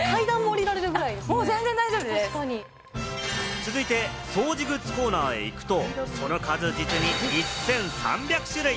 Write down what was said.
続いて、掃除グッズコーナーへ行くと、その数、実に１３００種類。